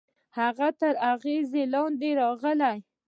هغه تر اغېز لاندې يې راغی.